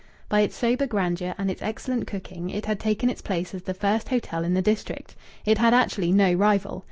By its sober grandeur and its excellent cooking it had taken its place as the first hotel in the district. It had actually no rival.